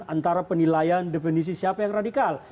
antara penilaian definisi siapa yang radikal